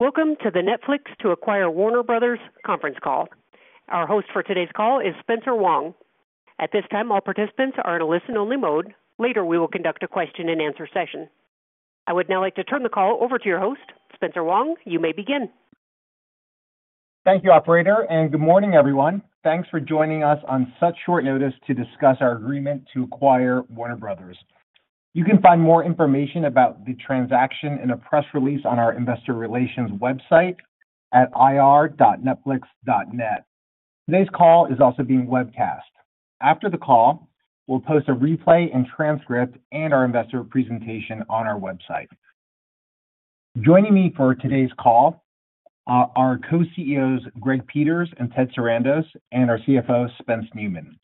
Welcome to the Netflix to Acquire Warner Bros. conference call. Our host for today's call is Spencer Wang. At this time, all participants are in a listen-only mode. Later, we will conduct a question-and-answer session. I would now like to turn the call over to your host, Spencer Wang. You may begin. Thank you, Operator, and good morning, everyone. Thanks for joining us on such short notice to discuss our agreement to acquire Warner Bros. You can find more information about the transaction in a press release on our investor relations website at ir.netflix.net. Today's call is also being webcast. After the call, we'll post a replay and transcript and our investor presentation on our website. Joining me for today's call are our Co-CEOs, Greg Peters and Ted Sarandos, and our CFO, Spence Neumann.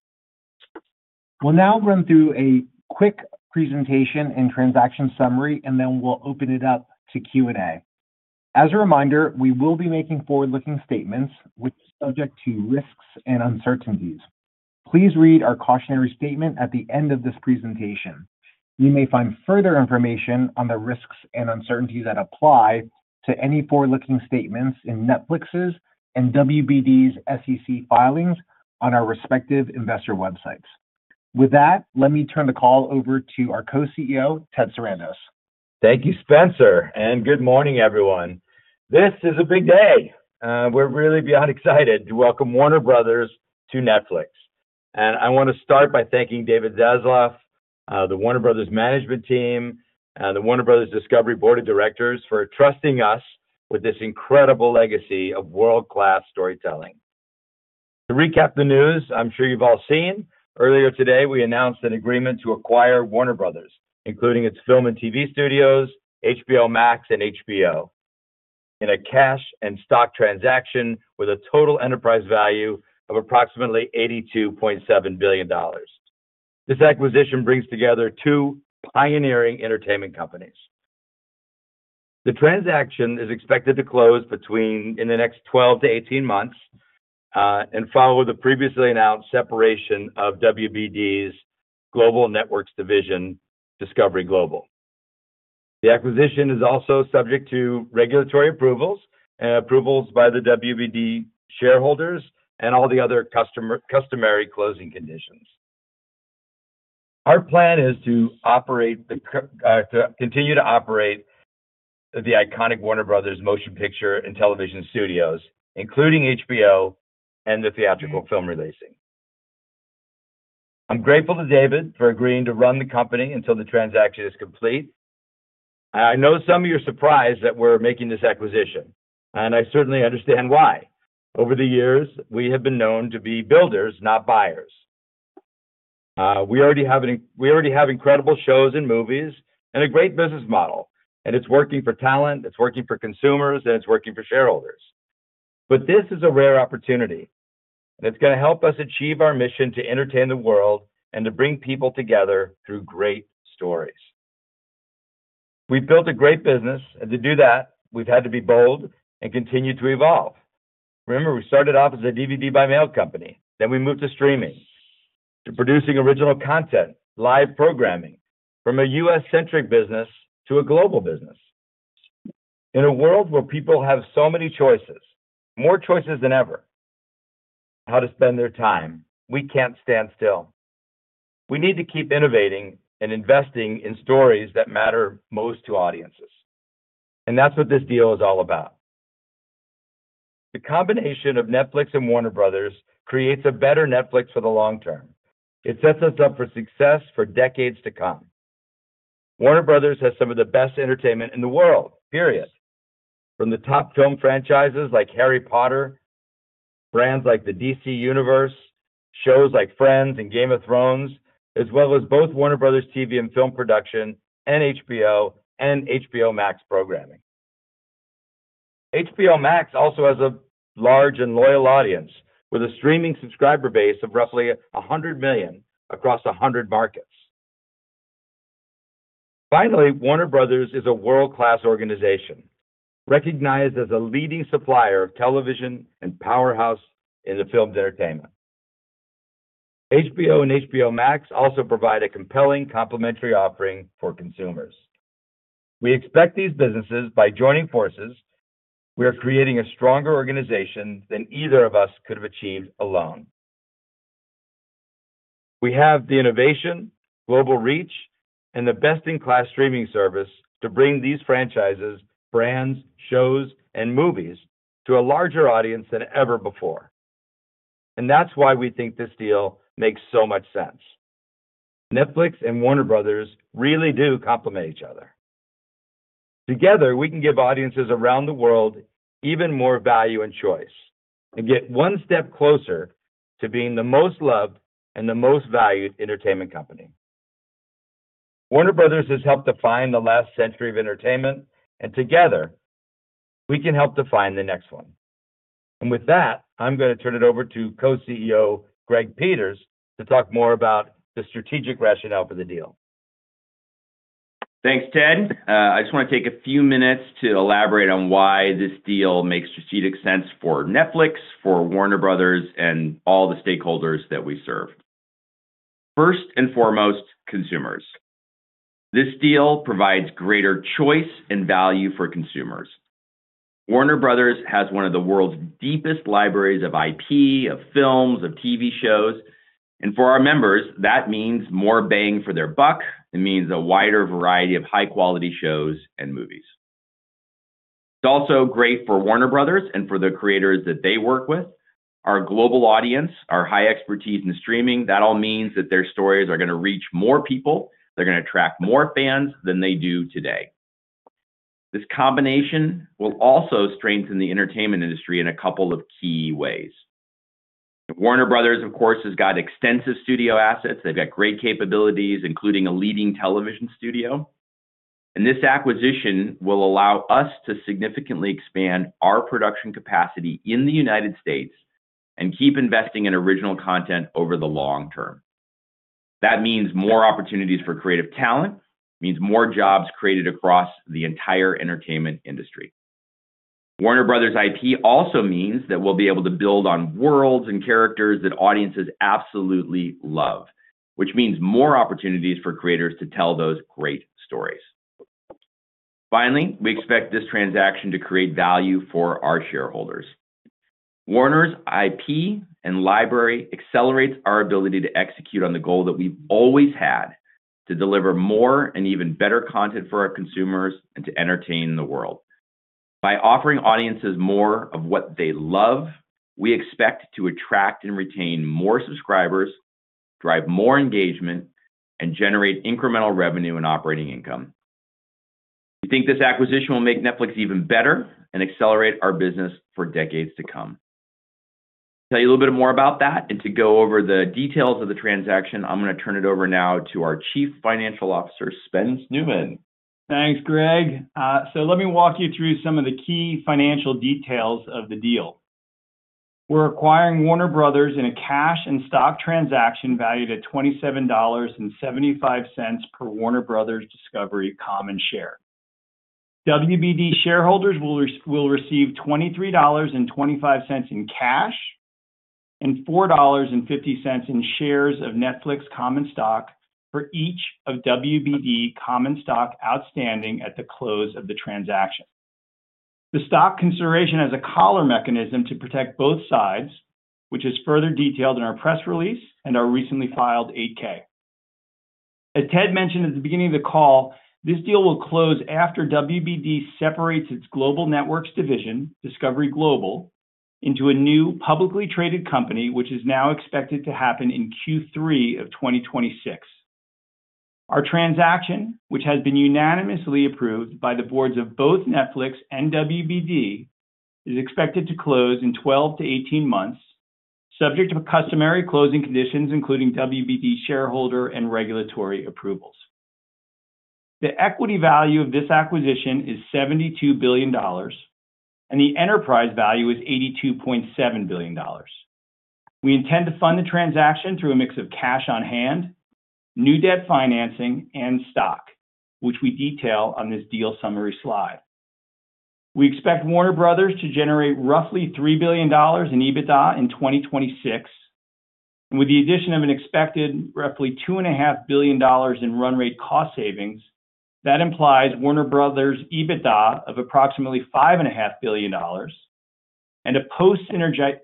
We'll now run through a quick presentation and transaction summary, and then we'll open it up to Q&A. As a reminder, we will be making forward-looking statements, which are subject to risks and uncertainties. Please read our cautionary statement at the end of this presentation. You may find further information on the risks and uncertainties that apply to any forward-looking statements in Netflix's and WBD's SEC filings on our respective investor websites. With that, let me turn the call over to our Co-CEO, Ted Sarandos. Thank you, Spencer, and good morning, everyone. This is a big day. We're really beyond excited to welcome Warner Bros. to Netflix. And I want to start by thanking David Zaslav, the Warner Bros. management team, and the Warner Bros. Discovery Board of Directors for trusting us with this incredible legacy of world-class storytelling. To recap the news, I'm sure you've all seen earlier today we announced an agreement to acquire Warner Bros., including its film and TV studios, HBO Max, and HBO, in a cash and stock transaction with a total enterprise value of approximately $82.7 billion. This acquisition brings together two pioneering entertainment companies. The transaction is expected to close in the next 12, 18 months and follow the previously announced separation of WBD's Global Networks division, Discovery Global. The acquisition is also subject to regulatory approvals and approvals by the WBD shareholders and all the other customary closing conditions. Our plan is to continue to operate the iconic Warner Bros. motion picture and television studios, including HBO and the theatrical film releasing. I'm grateful to David for agreeing to run the company until the transaction is complete. I know some of you are surprised that we're making this acquisition, and I certainly understand why. Over the years, we have been known to be builders, not buyers. We already have incredible shows and movies and a great business model, and it's working for talent, it's working for consumers, and it's working for shareholders. But this is a rare opportunity, and it's going to help us achieve our mission to entertain the world and to bring people together through great stories. We've built a great business, and to do that, we've had to be bold and continue to evolve. Remember, we started off as a DVD-by-mail company, then we moved to streaming, to producing original content, live programming, from a U.S.-centric business to a global business. In a world where people have so many choices, more choices than ever, about how to spend their time, we can't stand still. We need to keep innovating and investing in stories that matter most to audiences, and that's what this deal is all about. The combination of Netflix and Warner Bros. creates a better Netflix for the long term. It sets us up for success for decades to come. Warner Bros. has some of the best entertainment in the world, period, from the top film franchises like Harry Potter, brands like the DC Universe, shows like Friends and Game of Thrones, as well as both Warner Bros. TV and film production, and HBO and HBO Max programming. HBO Max also has a large and loyal audience with a streaming subscriber base of roughly 100 million across 100 markets. Finally, Warner Bros. is a world-class organization recognized as a leading supplier of television and powerhouse in the film entertainment. HBO and HBO Max also provide a compelling complementary offering for consumers. We expect these businesses by joining forces. We are creating a stronger organization than either of us could have achieved alone. We have the innovation, global reach, and the best-in-class streaming service to bring these franchises, brands, shows, and movies to a larger audience than ever before. And that's why we think this deal makes so much sense. Netflix and Warner Bros. really do complement each other. Together, we can give audiences around the world even more value and choice and get one step closer to being the most loved and the most valued entertainment company. Warner Bros. has helped define the last century of entertainment, and together, we can help define the next one. And with that, I'm going to turn it over to Co-CEO Greg Peters to talk more about the strategic rationale for the deal. Thanks, Ted. I just want to take a few minutes to elaborate on why this deal makes strategic sense for Netflix, for Warner Bros., and all the stakeholders that we serve. First and foremost, consumers. This deal provides greater choice and value for consumers. Warner Bros. has one of the world's deepest libraries of IP, of films, of TV shows. And for our members, that means more bang for their buck. It means a wider variety of high-quality shows and movies. It's also great for Warner Bros. and for the creators that they work with, our global audience, our high expertise in streaming. That all means that their stories are going to reach more people. They're going to attract more fans than they do today. This combination will also strengthen the entertainment industry in a couple of key ways. Warner Bros., of course, has got extensive studio assets. They've got great capabilities, including a leading television studio, and this acquisition will allow us to significantly expand our production capacity in the United States and keep investing in original content over the long term. That means more opportunities for creative talent, means more jobs created across the entire entertainment industry. Warner Bros. IP also means that we'll be able to build on worlds and characters that audiences absolutely love, which means more opportunities for creators to tell those great stories. Finally, we expect this transaction to create value for our shareholders. Warner's IP and library accelerates our ability to execute on the goal that we've always had to deliver more and even better content for our consumers and to entertain the world. By offering audiences more of what they love, we expect to attract and retain more subscribers, drive more engagement, and generate incremental revenue and operating income. We think this acquisition will make Netflix even better and accelerate our business for decades to come. To tell you a little bit more about that and to go over the details of the transaction, I'm going to turn it over now to our Chief Financial Officer, Spence Neumann. Thanks, Greg. So let me walk you through some of the key financial details of the deal. We're acquiring Warner Bros. in a cash and stock transaction valued at $27.75 per Warner Bros. Discovery Common Share. WBD shareholders will receive $23.25 in cash and $4.50 in shares of Netflix Common Stock for each of WBD Common Stock outstanding at the close of the transaction. The stock consideration has a collar mechanism to protect both sides, which is further detailed in our press release and our recently filed Form 8-K. As Ted mentioned at the beginning of the call, this deal will close after WBD separates its Global Networks division, Discovery Global, into a new publicly traded company, which is now expected to happen in Q3 of 2026. Our transaction, which has been unanimously approved by the boards of both Netflix and WBD, is expected to close in 12-18 months, subject to customary closing conditions, including WBD shareholder and regulatory approvals. The equity value of this acquisition is $72 billion, and the enterprise value is $82.7 billion. We intend to fund the transaction through a mix of cash on hand, new debt financing, and stock, which we detail on this deal summary slide. We expect Warner Bros. to generate roughly $3 billion in EBITDA in 2026. With the addition of an expected roughly $2.5 billion in run rate cost savings, that implies Warner Bros. EBITDA of approximately $5.5 billion and a post-synergy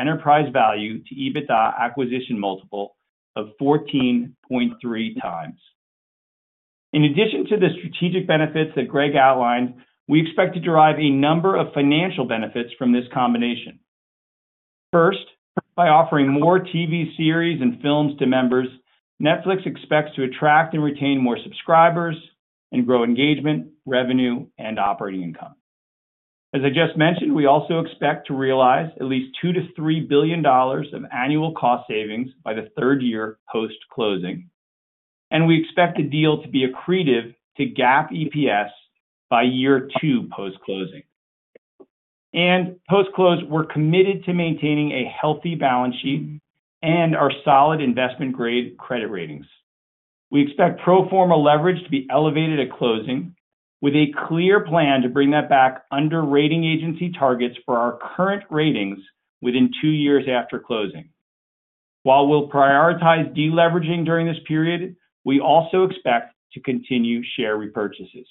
enterprise value to EBITDA acquisition multiple of 14.3x. In addition to the strategic benefits that Greg outlined, we expect to derive a number of financial benefits from this combination. First, by offering more TV series and films to members, Netflix expects to attract and retain more subscribers and grow engagement, revenue, and operating income. As I just mentioned, we also expect to realize at least $2 billion-$3 billion of annual cost savings by the third year post-closing. And we expect the deal to be accretive to GAAP EPS by year two post-closing. And post-close, we're committed to maintaining a healthy balance sheet and our solid investment-grade credit ratings. We expect pro forma leverage to be elevated at closing with a clear plan to bring that back under rating agency targets for our current ratings within two years after closing. While we'll prioritize deleveraging during this period, we also expect to continue share repurchases.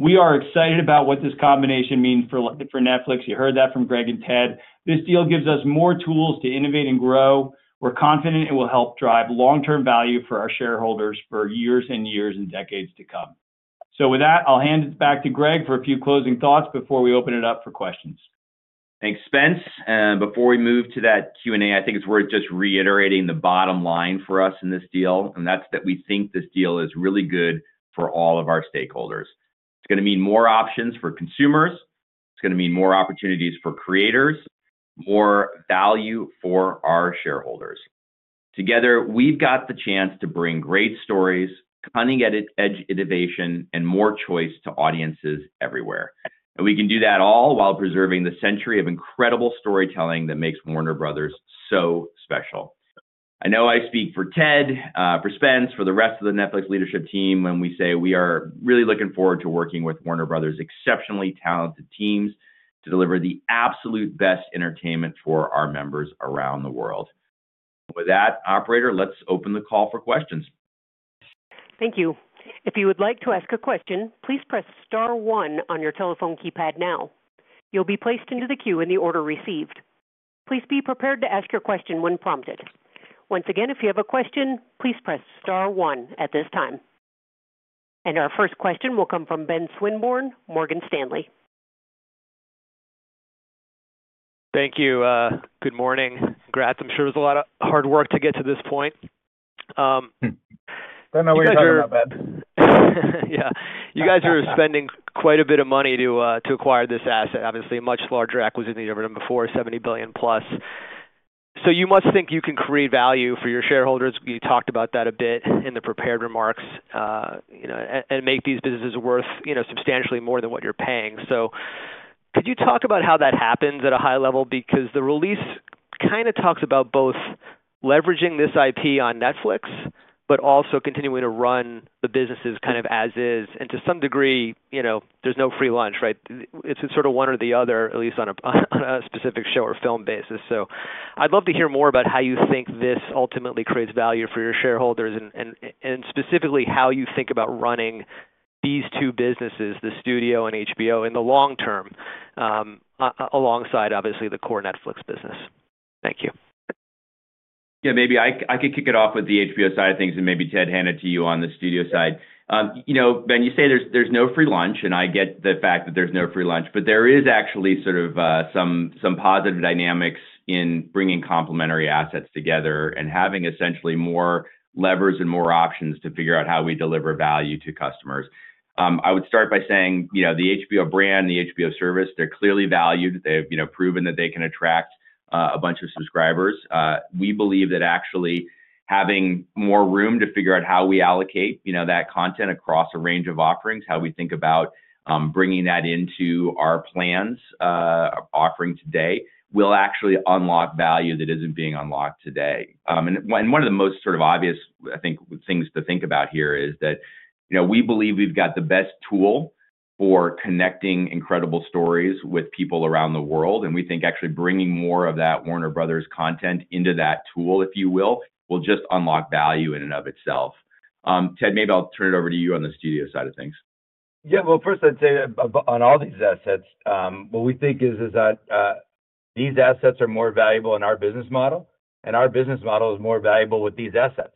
We are excited about what this combination means for Netflix. You heard that from Greg and Ted. This deal gives us more tools to innovate and grow. We're confident it will help drive long-term value for our shareholders for years and years and decades to come. So with that, I'll hand it back to Greg for a few closing thoughts before we open it up for questions. Thanks, Spence. Before we move to that Q&A, I think it's worth just reiterating the bottom line for us in this deal, and that's that we think this deal is really good for all of our stakeholders. It's going to mean more options for consumers. It's going to mean more opportunities for creators, more value for our shareholders. Together, we've got the chance to bring great stories, cutting-edge innovation, and more choice to audiences everywhere. And we can do that all while preserving the century of incredible storytelling that makes Warner Bros. so special. I know I speak for Ted, for Spence, for the rest of the Netflix leadership team when we say we are really looking forward to working with Warner Bros.' exceptionally talented teams to deliver the absolute best entertainment for our members around the world. With that, operator, let's open the call for questions. Thank you. If you would like to ask a question, please press star one on your telephone keypad now. You'll be placed into the queue in the order received. Please be prepared to ask your question when prompted. Once again, if you have a question, please press star one at this time. And our first question will come from Benjamin Swinburne, Morgan Stanley. Thank you. Good morning. Congrats. I'm sure it was a lot of hard work to get to this point. I know we talked about that. You guys are spending quite a bit of money to acquire this asset, obviously a much larger acquisition than ever before, $70 billion plus. So you must think you can create value for your shareholders. You talked about that a bit in the prepared remarks and make these businesses worth substantially more than what you're paying. So could you talk about how that happens at a high level? Because the release kind of talks about both leveraging this IP on Netflix, but also continuing to run the businesses kind of as is, and to some degree, there's no free lunch, right? It's sort of one or the other, at least on a specific show or film basis. So I'd love to hear more about how you think this ultimately creates value for your shareholders and specifically how you think about running these two businesses, the studio and HBO, in the long term alongside, obviously, the core Netflix business. Thank you. Yeah, maybe I could kick it off with the HBO side of things and maybe Ted hand it to you on the studio side. Ben, you say there's no free lunch, and I get the fact that there's no free lunch, but there is actually sort of some positive dynamics in bringing complementary assets together and having essentially more levers and more options to figure out how we deliver value to customers. I would start by saying the HBO brand, the HBO service, they're clearly valued. They've proven that they can attract a bunch of subscribers. We believe that actually having more room to figure out how we allocate that content across a range of offerings, how we think about bringing that into our plans, offering today, will actually unlock value that isn't being unlocked today. And one of the most sort of obvious, I think, things to think about here is that we believe we've got the best tool for connecting incredible stories with people around the world. And we think actually bringing more of that Warner Bros. content into that tool, if you will, will just unlock value in and of itself. Ted, maybe I'll turn it over to you on the studio side of things. Yeah. Well, first, I'd say on all these assets, what we think is that these assets are more valuable in our business model, and our business model is more valuable with these assets.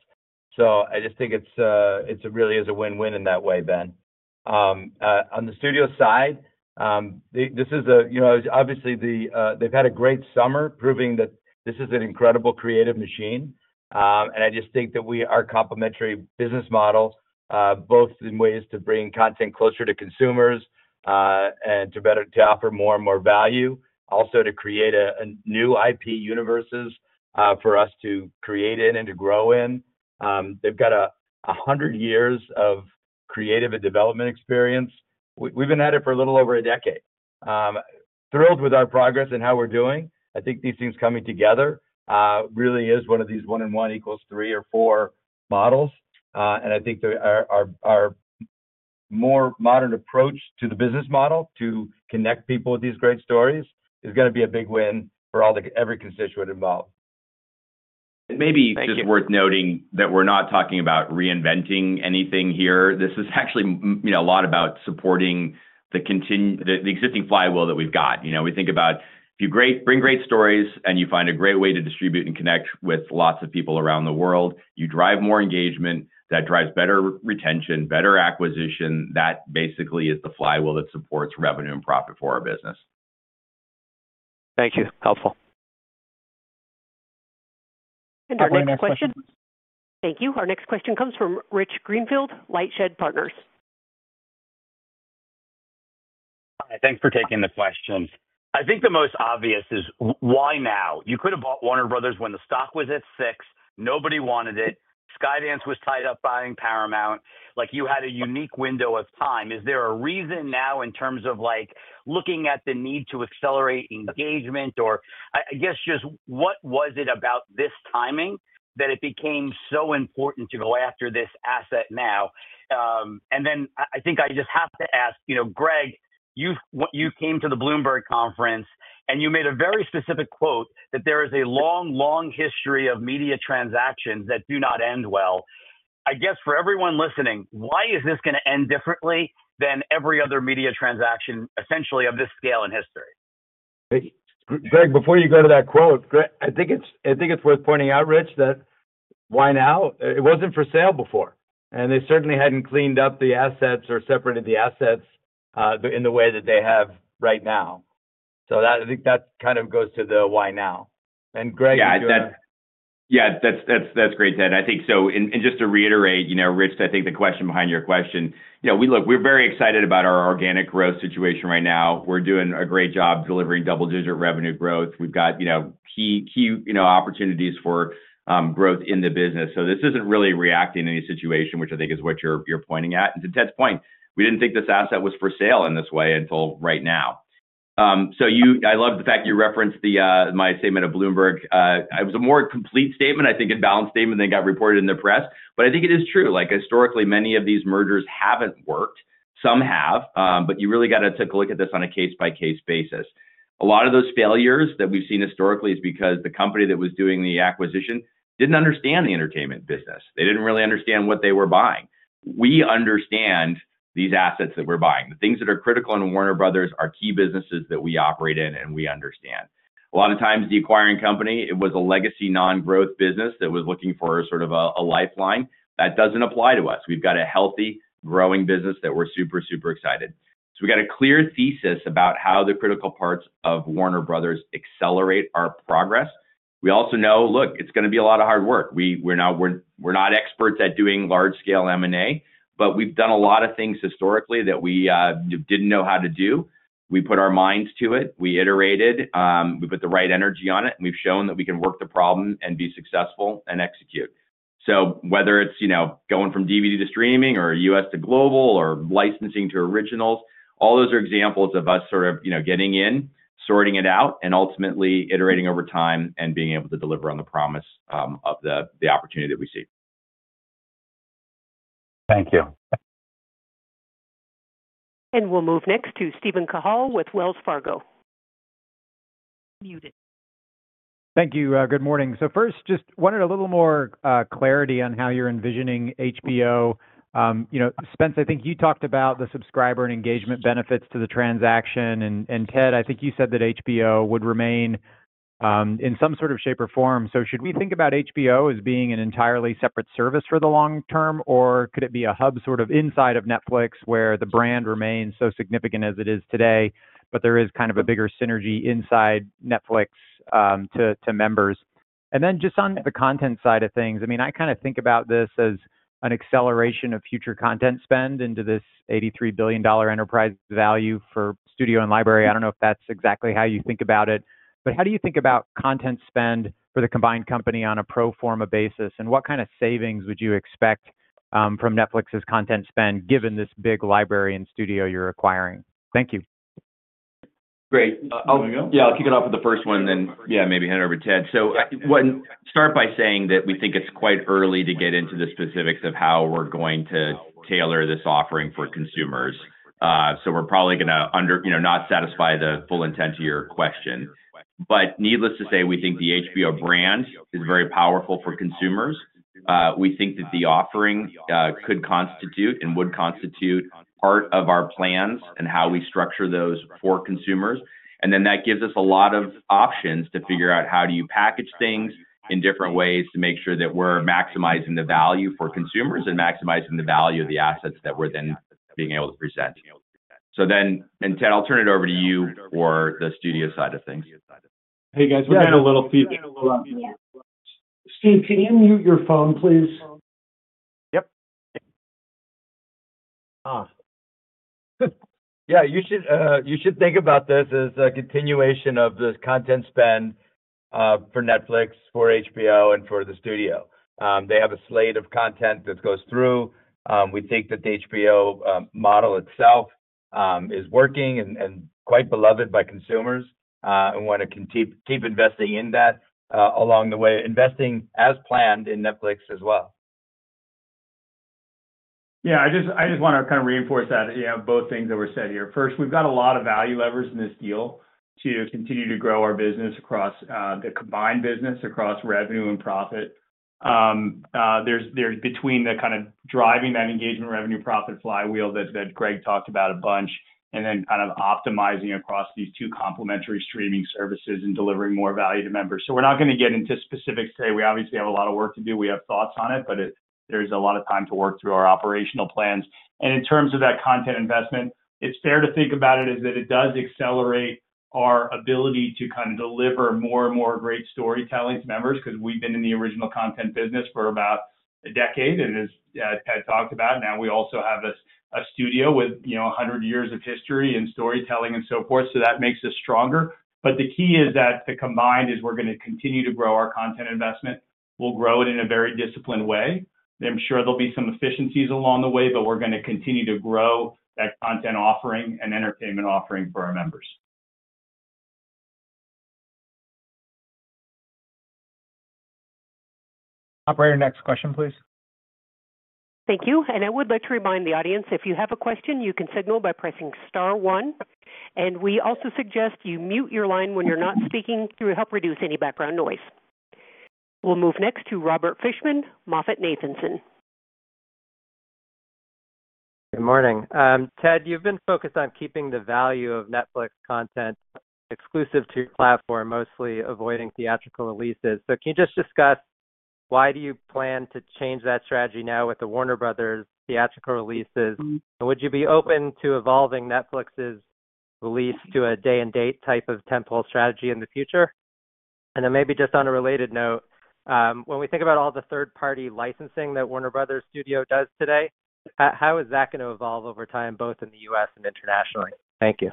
So I just think it really is a win-win in that way, Ben. On the studio side, this is obviously. They've had a great summer proving that this is an incredible creative machine. And I just think that we are a complementary business model, both in ways to bring content closer to consumers and to offer more and more value, also to create new IP universes for us to create in and to grow in. They've got 100 years of creative and development experience. We've been at it for a little over a decade. Thrilled with our progress and how we're doing. I think these things coming together really is one of these one-and-one equals three or four models, and I think our more modern approach to the business model to connect people with these great stories is going to be a big win for every constituent involved. It may be just worth noting that we're not talking about reinventing anything here. This is actually a lot about supporting the existing flywheel that we've got. We think about if you bring great stories and you find a great way to distribute and connect with lots of people around the world, you drive more engagement. That drives better retention, better acquisition. That basically is the flywheel that supports revenue and profit for our business. Thank you. Helpful. And our next question. Thank you. Our next question comes from Rich Greenfield, LightShed Partners. Thanks for taking the question. I think the most obvious is why now? You could have bought Warner Bros. when the stock was at six. Nobody wanted it. Skydance was tied up buying Paramount. You had a unique window of time. Is there a reason now in terms of looking at the need to accelerate engagement? Or I guess just what was it about this timing that it became so important to go after this asset now? And then I think I just have to ask, Greg, you came to the Bloomberg conference, and you made a very specific quote that there is a long, long history of media transactions that do not end well. I guess for everyone listening, why is this going to end differently than every other media transaction essentially of this scale in history? Greg, before you go to that quote, I think it's worth pointing out, Rich, that why now? It wasn't for sale before, and they certainly hadn't cleaned up the assets or separated the assets in the way that they have right now, so I think that kind of goes to the why now. And Greg, you do. Yeah, that's great, Ted. I think so, and just to reiterate, Rich, I think the question behind your question, we're very excited about our organic growth situation right now. We're doing a great job delivering double-digit revenue growth. We've got key opportunities for growth in the business, so this isn't really reacting to any situation, which I think is what you're pointing at, and to Ted's point, we didn't think this asset was for sale in this way until right now, so I love the fact you referenced my statement of Bloomberg. It was a more complete statement, I think, and balanced statement than got reported in the press, but I think it is true. Historically, many of these mergers haven't worked. Some have, but you really got to take a look at this on a case-by-case basis. A lot of those failures that we've seen historically is because the company that was doing the acquisition didn't understand the entertainment business. They didn't really understand what they were buying. We understand these assets that we're buying. The things that are critical in Warner Bros. are key businesses that we operate in, and we understand. A lot of times, the acquiring company, it was a legacy non-growth business that was looking for sort of a lifeline. That doesn't apply to us. We've got a healthy, growing business that we're super, super excited, so we've got a clear thesis about how the critical parts of Warner Bros. accelerate our progress. We also know, look, it's going to be a lot of hard work. We're not experts at doing large-scale M&A, but we've done a lot of things historically that we didn't know how to do. We put our minds to it. We iterated. We put the right energy on it. And we've shown that we can work the problem and be successful and execute. So whether it's going from DVD to streaming or U.S. to global or licensing to originals, all those are examples of us sort of getting in, sorting it out, and ultimately iterating over time and being able to deliver on the promise of the opportunity that we see. Thank you. We'll move next to Steven Cahall with Wells Fargo. Muted. Thank you. Good morning. So first, just wanted a little more clarity on how you're envisioning HBO. Spence, I think you talked about the subscriber and engagement benefits to the transaction. And Ted, I think you said that HBO would remain in some sort of shape or form. So should we think about HBO as being an entirely separate service for the long term, or could it be a hub sort of inside of Netflix where the brand remains so significant as it is today, but there is kind of a bigger synergy inside Netflix to members? And then just on the content side of things, I mean, I kind of think about this as an acceleration of future content spend into this $83 billion enterprise value for studio and library. I don't know if that's exactly how you think about it. But how do you think about content spend for the combined company on a pro forma basis? And what kind of savings would you expect from Netflix's content spend given this big library and studio you're acquiring? Thank you. Great. Yeah, I'll kick it off with the first one, and then, yeah, maybe hand it over to Ted, so start by saying that we think it's quite early to get into the specifics of how we're going to tailor this offering for consumers, so we're probably going to not satisfy the full intent of your question, but needless to say, we think the HBO brand is very powerful for consumers. We think that the offering could constitute and would constitute part of our plans and how we structure those for consumers, and then that gives us a lot of options to figure out how do you package things in different ways to make sure that we're maximizing the value for consumers and maximizing the value of the assets that we're then being able to present. So then, and Ted, I'll turn it over to you for the studio side of things. Hey, guys. We're getting a little feedback. Steve, can you mute your phone, please? Yep. Yeah, you should think about this as a continuation of the content spend for Netflix, for HBO, and for the studio. They have a slate of content that goes through. We think that the HBO model itself is working and quite beloved by consumers, and we want to keep investing in that along the way, investing as planned in Netflix as well. Yeah, I just want to kind of reinforce that, both things that were said here. First, we've got a lot of value levers in this deal to continue to grow our business across the combined business, across revenue and profit. There's between the kind of driving that engagement, revenue, profit flywheel that Greg talked about a bunch, and then kind of optimizing across these two complementary streaming services and delivering more value to members. So we're not going to get into specifics today. We obviously have a lot of work to do. We have thoughts on it, but there's a lot of time to work through our operational plans. And in terms of that content investment, it's fair to think about it as that it does accelerate our ability to kind of deliver more and more great storytelling to members because we've been in the original content business for about a decade, and as Ted talked about, now we also have a studio with 100 years of history and storytelling and so forth. So that makes us stronger. But the key is that the combined is we're going to continue to grow our content investment. We'll grow it in a very disciplined way. I'm sure there'll be some efficiencies along the way, but we're going to continue to grow that content offering and entertainment offering for our members. Operator, next question, please. Thank you. And I would like to remind the audience, if you have a question, you can signal by pressing star one. And we also suggest you mute your line when you're not speaking to help reduce any background noise. We'll move next to Robert Fishman, MoffettNathanson. Good morning. Ted, you've been focused on keeping the value of Netflix content exclusive to your platform, mostly avoiding theatrical releases. So can you just discuss why do you plan to change that strategy now with the Warner Bros. theatrical releases? And would you be open to evolving Netflix's release to a day-and-date type of tentpole strategy in the future? And then maybe just on a related note, when we think about all the third-party licensing that Warner Bros. Studios does today, how is that going to evolve over time, both in the U.S. and internationally? Thank you.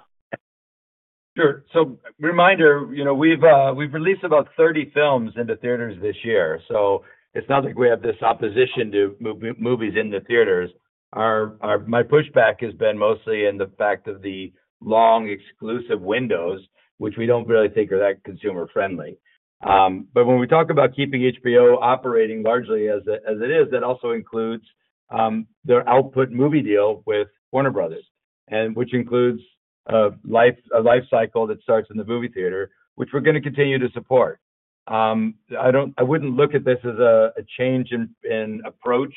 Sure. So reminder, we've released about 30 films into theaters this year. So it's not like we have this opposition to movies in the theaters. My pushback has been mostly in the fact of the long exclusive windows, which we don't really think are that consumer-friendly. But when we talk about keeping HBO operating largely as it is, that also includes their output movie deal with Warner Bros., which includes a life cycle that starts in the movie theater, which we're going to continue to support. I wouldn't look at this as a change in approach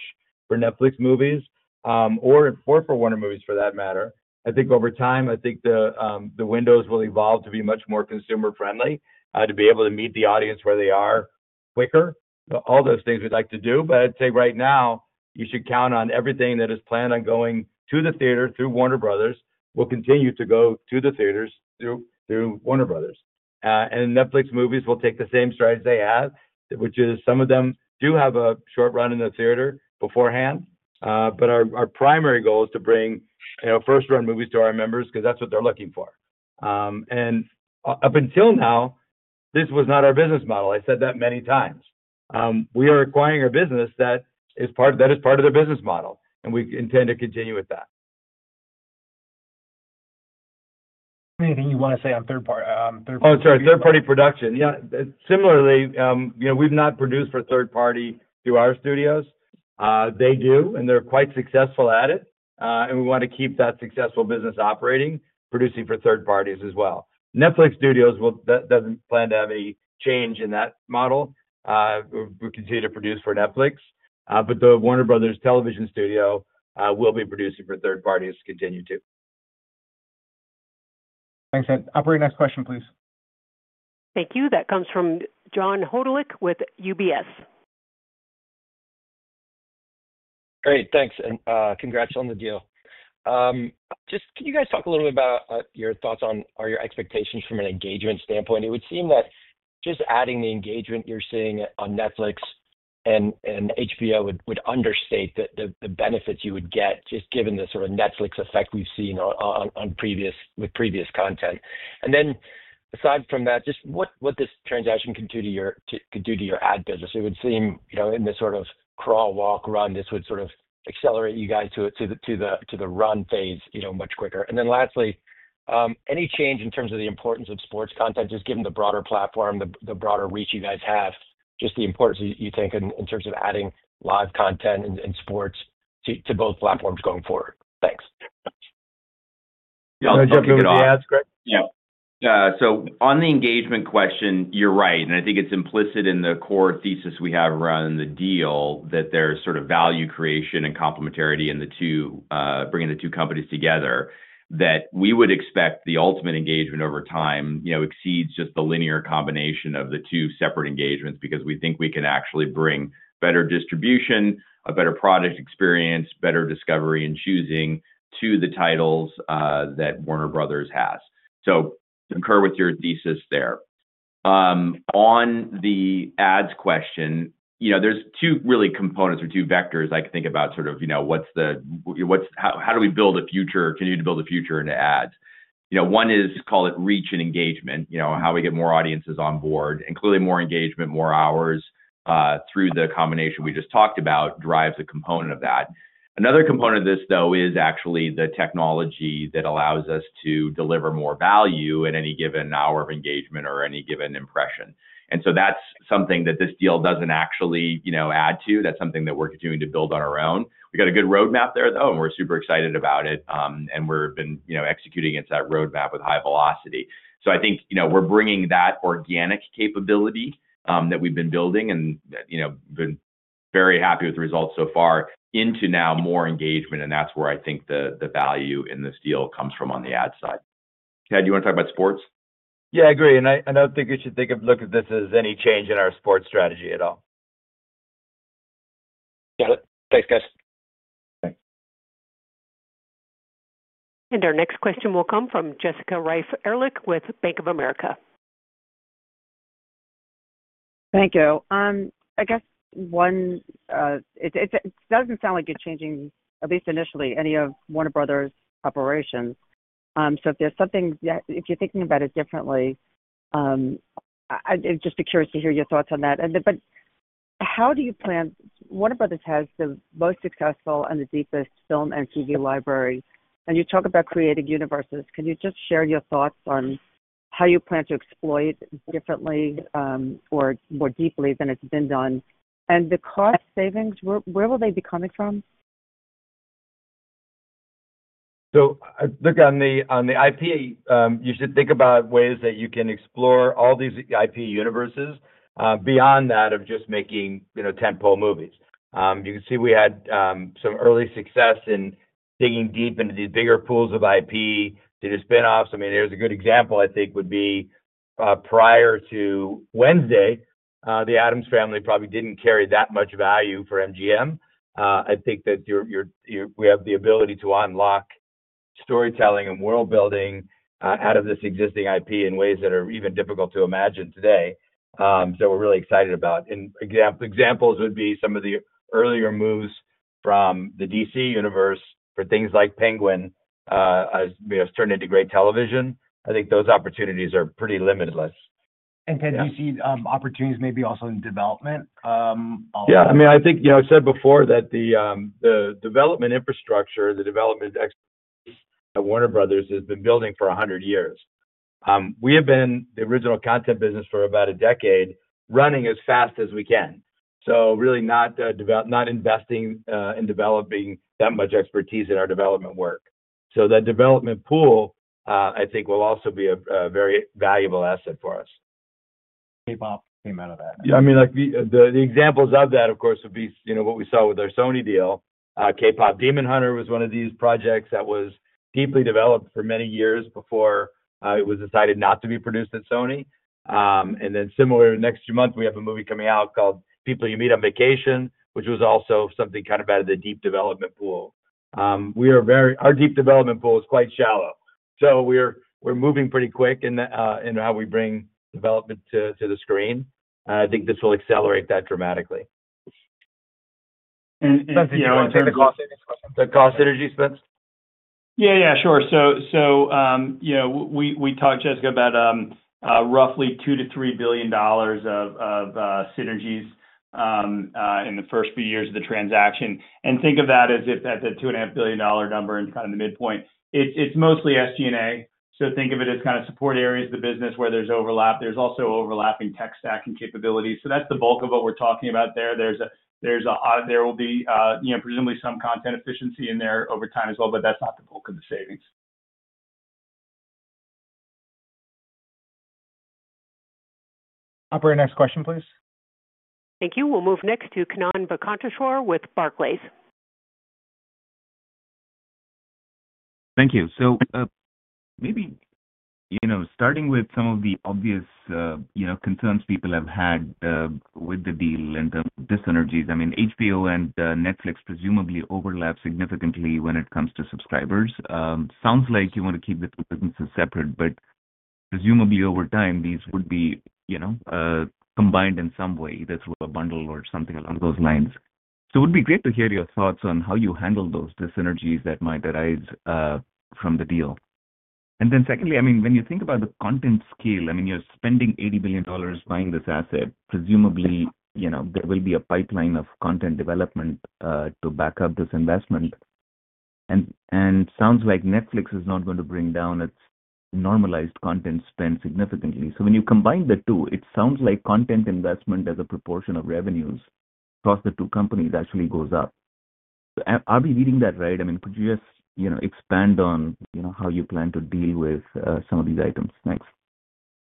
for Netflix movies or for Warner movies for that matter. I think over time, I think the windows will evolve to be much more consumer-friendly, to be able to meet the audience where they are quicker. All those things we'd like to do. But I'd say right now, you should count on everything that is planned on going to the theater through Warner Bros. will continue to go to the theaters through Warner Bros. And Netflix movies will take the same strategy they have, which is some of them do have a short run in the theater beforehand. But our primary goal is to bring first-run movies to our members because that's what they're looking for. And up until now, this was not our business model. I said that many times. We are acquiring a business that is part of their business model. And we intend to continue with that. Anything you want to say on third-party? Oh, sorry. Third-party production. Yeah. Similarly, we've not produced for third party through our studios. They do, and they're quite successful at it. And we want to keep that successful business operating, producing for third parties as well. Netflix Studios doesn't plan to have any change in that model. We continue to produce for Netflix. But the Warner Bros. Television studio will be producing for third parties to continue to. Thanks, Ted. Operator, next question, please. Thank you. That comes from John Hodulik with UBS. Great. Thanks and congrats on the deal. Just can you guys talk a little bit about your thoughts on or your expectations from an engagement standpoint? It would seem that just adding the engagement you're seeing on Netflix and HBO would understate the benefits you would get, just given the sort of Netflix effect we've seen with previous content, and then aside from that, just what this transaction could do to your ad business. It would seem in this sort of crawl, walk, run, this would sort of accelerate you guys to the run phase much quicker, and then lastly, any change in terms of the importance of sports content, just given the broader platform, the broader reach you guys have, just the importance you think in terms of adding live content and sports to both platforms going forward? Thanks. Can I jump in with the ads, Greg? Yeah. So on the engagement question, you're right. And I think it's implicit in the core thesis we have around the deal that there's sort of value creation and complementarity in bringing the two companies together, that we would expect the ultimate engagement over time exceeds just the linear combination of the two separate engagements because we think we can actually bring better distribution, a better product experience, better discovery and choosing to the titles that Warner Bros. has. So concur with your thesis there. On the ads question, there's two really components or two vectors I can think about sort of how do we build a future, continue to build a future into ads. One is, call it reach and engagement, how we get more audiences on board. And clearly, more engagement, more hours through the combination we just talked about drives a component of that. Another component of this, though, is actually the technology that allows us to deliver more value at any given hour of engagement or any given impression. And so that's something that this deal doesn't actually add to. That's something that we're continuing to build on our own. We've got a good roadmap there, though, and we're super excited about it. And we've been executing against that roadmap with high velocity. So I think we're bringing that organic capability that we've been building and been very happy with the results so far into now more engagement. And that's where I think the value in this deal comes from on the ad side. Ted, you want to talk about sports? Yeah, I agree, and I don't think we should look at this as any change in our sports strategy at all. Got it. Thanks, guys. Thanks. Our next question will come from Jessica Reif Ehrlich with Bank of America. Thank you. I guess it doesn't sound like you're changing, at least initially, any of Warner Bros. operations. So if there's something you're thinking about it differently, I'd just be curious to hear your thoughts on that, but how do you plan, Warner Bros. has the most successful and the deepest film and TV library. You talk about creating universes. Can you just share your thoughts on how you plan to exploit differently or more deeply than it's been done? And the cost savings, where will they be coming from? So look on the IP, you should think about ways that you can explore all these IP universes beyond that of just making tentpole movies. You can see we had some early success in digging deep into these bigger pools of IP to do spinoffs. I mean, here's a good example, I think, would be prior to Wednesday. The Addams Family probably didn't carry that much value for MGM. I think that we have the ability to unlock storytelling and world-building out of this existing IP in ways that are even difficult to imagine today that we're really excited about. And examples would be some of the earlier moves from the DC Universe for things like Penguin has turned into great television. I think those opportunities are pretty limitless. Ted, do you see opportunities maybe also in development? Yeah. I mean, I think I said before that the development infrastructure, the development expertise at Warner Bros. has been building for 100 years. We have been the original content business for about a decade running as fast as we can. So really not investing and developing that much expertise in our development work. So that development pool, I think, will also be a very valuable asset for us. K-Pop came out of that. Yeah. I mean, the examples of that, of course, would be what we saw with our Sony deal. K-Pop: Demon Hunters was one of these projects that was deeply developed for many years before it was decided not to be produced at Sony. And then similar next month, we have a movie coming out called People We Meet on Vacation, which was also something kind of out of the deep development pool. Our deep development pool is quite shallow. So we're moving pretty quick in how we bring development to the screen. And I think this will accelerate that dramatically. And. Spence, do you want to take the cost synergy? Yeah, yeah, sure. So we talked just about roughly $2 billion-$3 billion of synergies in the first few years of the transaction. And think of that as if at the $2.5 billion number and kind of the midpoint. It's mostly SG&A. So think of it as kind of support areas of the business where there's overlap. There's also overlapping tech stack and capabilities. So that's the bulk of what we're talking about there. There will be presumably some content efficiency in there over time as well, but that's not the bulk of the savings. Operator, next question, please. Thank you. We'll move next to Kannan Venkateshwar with Barclays. Thank you, so maybe starting with some of the obvious concerns people have had with the deal and the synergies. I mean, HBO and Netflix presumably overlap significantly when it comes to subscribers. Sounds like you want to keep the businesses separate, but presumably over time, these would be combined in some way either through a bundle or something along those lines, so it would be great to hear your thoughts on how you handle those synergies that might arise from the deal, and then secondly, I mean, when you think about the content scale, I mean, you're spending $80 billion buying this asset. Presumably, there will be a pipeline of content development to back up this investment, and it sounds like Netflix is not going to bring down its normalized content spend significantly. So when you combine the two, it sounds like content investment as a proportion of revenues across the two companies actually goes up. Are we reading that right? I mean, could you just expand on how you plan to deal with some of these items next?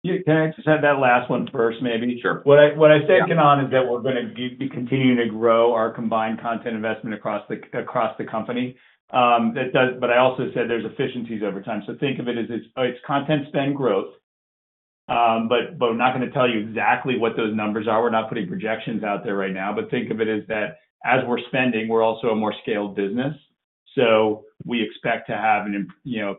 Can I just add that last one first, maybe? Sure. What I said, Kannan, is that we're going to be continuing to grow our combined content investment across the company. But I also said there's efficiencies over time. So think of it as it's content spend growth, but we're not going to tell you exactly what those numbers are. We're not putting projections out there right now. But think of it as that as we're spending, we're also a more scaled business. So we expect to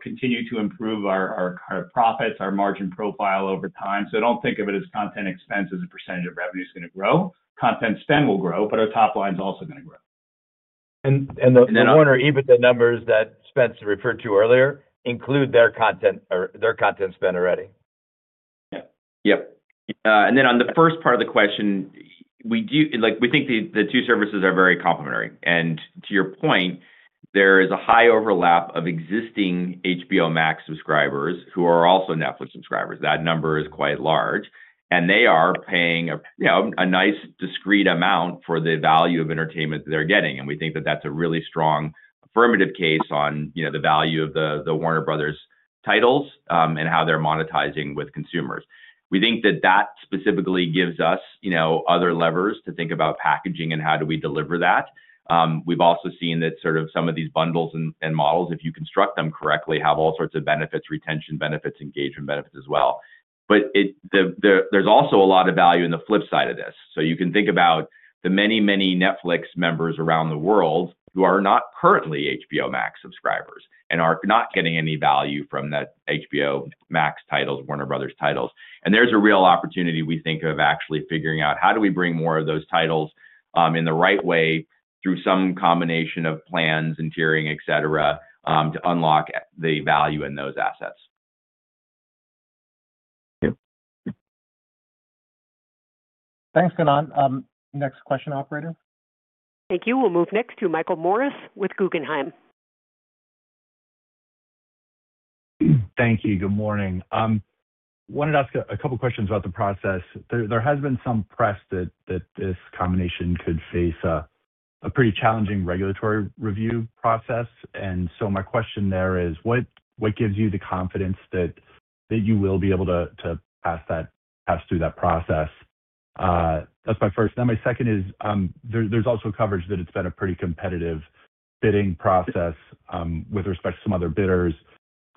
continue to improve our profits, our margin profile over time. So don't think of it as content expense as a percentage of revenue is going to grow. Content spend will grow, but our top line is also going to grow. And Warner, even the numbers that Spence referred to earlier include their content spend already. Yeah. Yeah. And then on the first part of the question, we think the two services are very complementary. And to your point, there is a high overlap of existing HBO Max subscribers who are also Netflix subscribers. That number is quite large. And they are paying a nice discrete amount for the value of entertainment that they're getting. And we think that that's a really strong affirmative case on the value of the Warner Bros. titles and how they're monetizing with consumers. We think that that specifically gives us other levers to think about packaging and how do we deliver that. We've also seen that sort of some of these bundles and models, if you construct them correctly, have all sorts of benefits: retention benefits, engagement benefits as well. But there's also a lot of value in the flip side of this. So you can think about the many, many Netflix members around the world who are not currently HBO Max subscribers and are not getting any value from the HBO Max titles, Warner Bros. titles. And there's a real opportunity, we think, of actually figuring out how do we bring more of those titles in the right way through some combination of plans, and tiering, etc., to unlock the value in those assets. Thanks, Kannan. Next question, operator. Thank you. We'll move next to Michael Morris with Guggenheim. Thank you. Good morning. I wanted to ask a couple of questions about the process. There has been some press that this combination could face a pretty challenging regulatory review process, and so my question there is, what gives you the confidence that you will be able to pass through that process? That's my first. Then my second is, there's also coverage that it's been a pretty competitive bidding process with respect to some other bidders.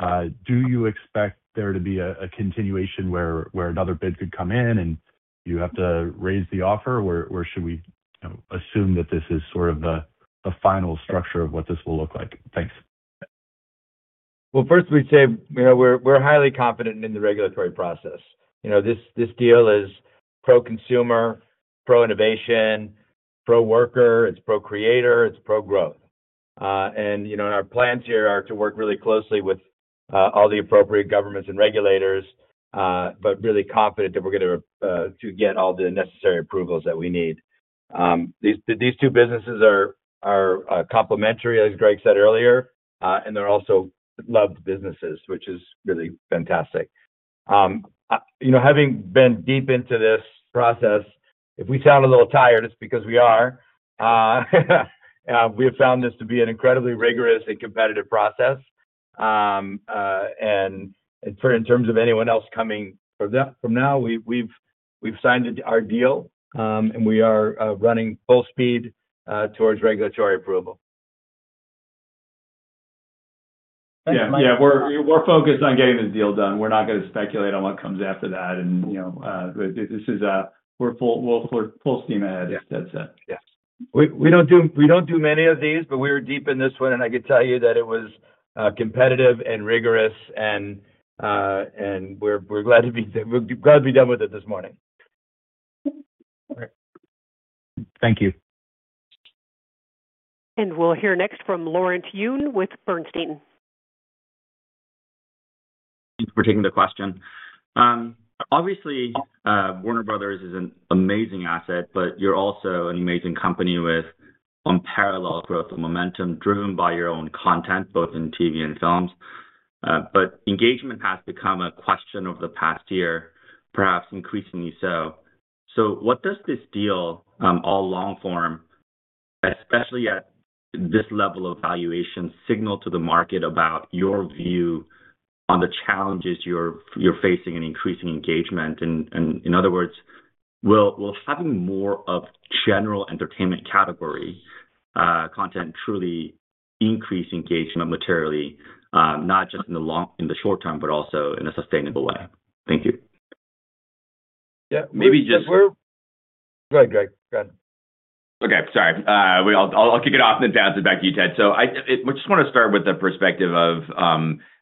Do you expect there to be a continuation where another bid could come in and you have to raise the offer, or should we assume that this is sort of the final structure of what this will look like? Thanks. First, we'd say we're highly confident in the regulatory process. This deal is pro-consumer, pro-innovation, pro-worker. It's pro-creator. It's pro-growth. Our plans here are to work really closely with all the appropriate governments and regulators, but really confident that we're going to get all the necessary approvals that we need. These two businesses are complementary, as Greg said earlier, and they're also loved businesses, which is really fantastic. Having been deep into this process, if we sound a little tired, it's because we are. We have found this to be an incredibly rigorous and competitive process. In terms of anyone else coming from now, we've signed our deal, and we are running full speed towards regulatory approval. Yeah. Yeah. We're focused on getting the deal done. We're not going to speculate on what comes after that. This is a full steam ahead, as Ted said. We don't do many of these, but we were deep in this one, and I could tell you that it was competitive and rigorous. We're glad to be done with it this morning. Thank you. We'll hear next from Laurent Yoon with Bernstein. Thank you for taking the question. Obviously, Warner Bros. is an amazing asset, but you're also an amazing company with unparalleled growth and momentum driven by your own content, both in TV and films. But engagement has become a question over the past year, perhaps increasingly so. So what does this deal, all long-form, especially at this level of valuation, signal to the market about your view on the challenges you're facing in increasing engagement? In other words, will having more of general entertainment category content truly increase engagement materially, not just in the short term, but also in a sustainable way? Thank you. Yeah. Maybe just. If we're. Go ahead, Greg. Go ahead. Okay. Sorry. I'll kick it off and then pass it back to you, Ted. So I just want to start with the perspective of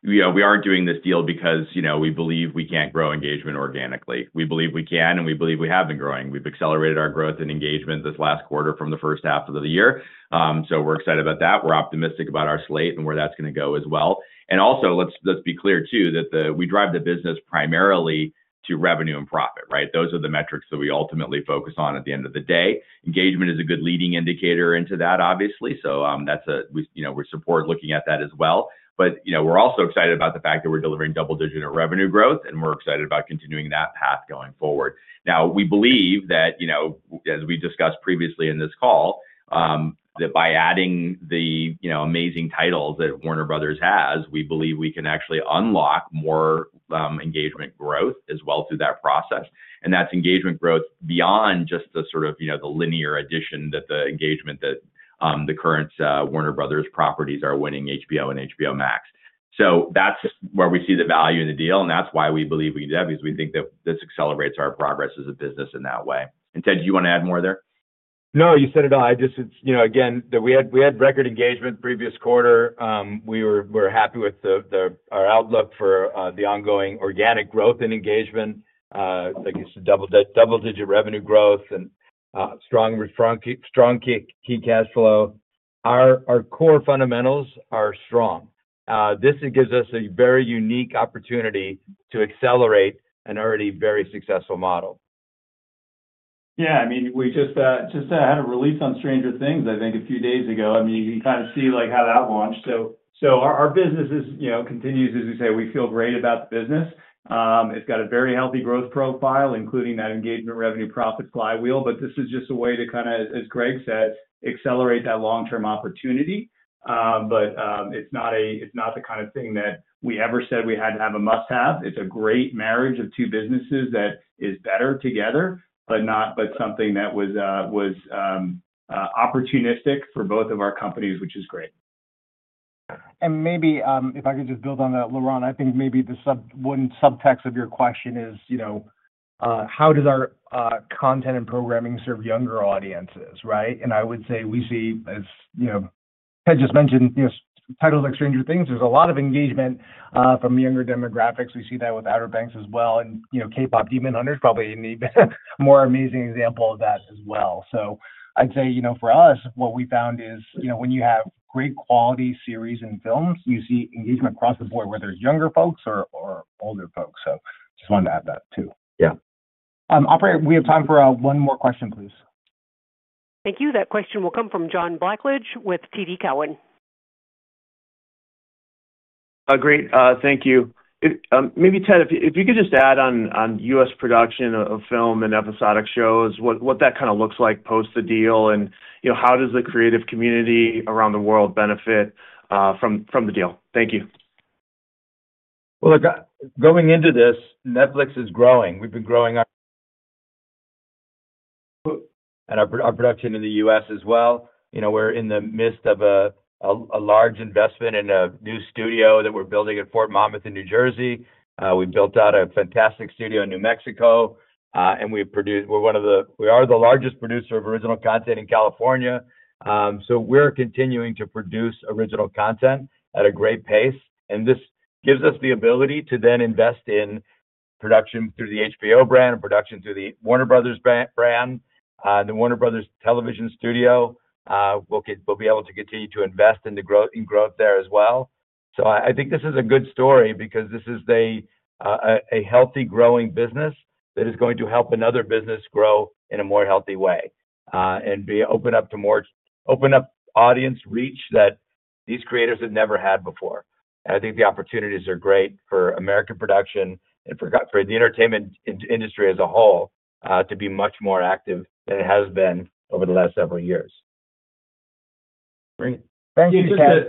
we aren't doing this deal because we believe we can't grow engagement organically. We believe we can, and we believe we have been growing. We've accelerated our growth and engagement this last quarter from the first half of the year. So we're excited about that. We're optimistic about our slate and where that's going to go as well. And also, let's be clear too that we drive the business primarily to revenue and profit, right? Those are the metrics that we ultimately focus on at the end of the day. Engagement is a good leading indicator into that, obviously. So we support looking at that as well. But we're also excited about the fact that we're delivering double-digit revenue growth, and we're excited about continuing that path going forward. Now, we believe that, as we discussed previously in this call, that by adding the amazing titles that Warner Bros. has, we believe we can actually unlock more engagement growth as well through that process. And that's engagement growth beyond just sort of the linear addition that the current Warner Bros. properties bring HBO and HBO Max. So that's where we see the value in the deal. And that's why we believe we can do that, because we think that this accelerates our progress as a business in that way. And Ted, do you want to add more there? No, you said it all. Again, we had record engagement previous quarter. We were happy with our outlook for the ongoing organic growth and engagement, like you said, double-digit revenue growth and strong free cash flow. Our core fundamentals are strong. This gives us a very unique opportunity to accelerate an already very successful model. Yeah. I mean, we just had a release on Stranger Things, I think, a few days ago. I mean, you can kind of see how that launched. So our business continues, as we say, we feel great about the business. It's got a very healthy growth profile, including that engagement revenue profit flywheel. But this is just a way to kind of, as Greg said, accelerate that long-term opportunity. But it's not the kind of thing that we ever said we had to have a must-have. It's a great marriage of two businesses that is better together, but something that was opportunistic for both of our companies, which is great. And maybe if I could just build on that, Laurent, I think maybe the one subtext of your question is, how does our content and programming serve younger audiences, right? And I would say we see, as Ted just mentioned, titles like Stranger Things. There's a lot of engagement from younger demographics. We see that with Outer Banks as well. And K-Pop: Demon Hunters is probably a more amazing example of that as well. So I'd say for us, what we found is when you have great quality series and films, you see engagement across the board, whether it's younger folks or older folks. So I just wanted to add that too. Yeah. Operator, we have time for one more question, please. Thank you. That question will come from John Blackledge with TD Cowen. Great. Thank you. Maybe, Ted, if you could just add on U.S. production of film and episodic shows, what that kind of looks like post the deal, and how does the creative community around the world benefit from the deal? Thank you. Well, going into this, Netflix is growing. We've been growing our production in the U.S. as well. We're in the midst of a large investment in a new studio that we're building at Fort Monmouth in New Jersey. We built out a fantastic studio in New Mexico. And we are the largest producer of original content in California. So we're continuing to produce original content at a great pace. And this gives us the ability to then invest in production through the HBO brand and production through the Warner Bros. brand, the Warner Bros. Television studio. We'll be able to continue to invest in growth there as well. So I think this is a good story because this is a healthy growing business that is going to help another business grow in a more healthy way and open up to more audience reach that these creators have never had before. And I think the opportunities are great for American production and for the entertainment industry as a whole to be much more active than it has been over the last several years. Great. Thank you, Ted.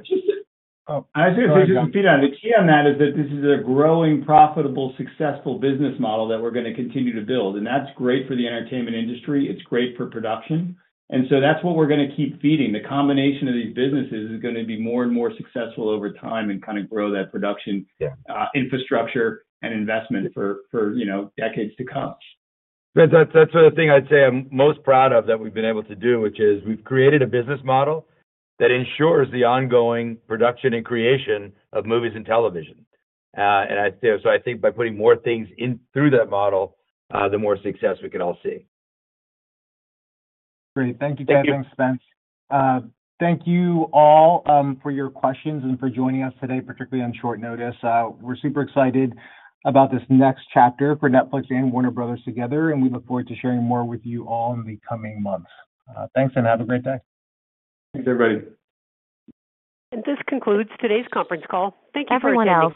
Oh, I was going to say just a key on that is that this is a growing, profitable, successful business model that we're going to continue to build, and that's great for the entertainment industry. It's great for production, and so that's what we're going to keep feeding. The combination of these businesses is going to be more and more successful over time and kind of grow that production infrastructure and investment for decades to come. That's the thing I'd say I'm most proud of that we've been able to do, which is we've created a business model that ensures the ongoing production and creation of movies and television, and so I think by putting more things in through that model, the more success we can all see. Great. Thank you, Ted. Thanks, Spence. Thank you all for your questions and for joining us today, particularly on short notice. We're super excited about this next chapter for Netflix and Warner Bros. together, and we look forward to sharing more with you all in the coming months. Thanks, and have a great day. Thanks, everybody. This concludes today's conference call. Thank you for attending.